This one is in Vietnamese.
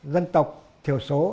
dân tộc thiểu số